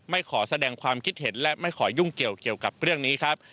ขอแสดงความคิดเห็นและไม่ขอยุ่งเกี่ยวกับเรื่องนี้ครับ